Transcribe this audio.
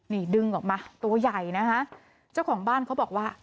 นี่ดึงออกมาตัวใหญ่นะคะเจ้าของบ้านเขาบอกว่า